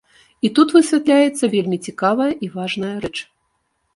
І тут высвятляецца вельмі цікавая і важная рэч.